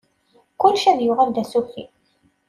Kullec ad yuɣal d asuki.